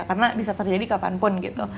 karena bisa terjadi kapanpun gitu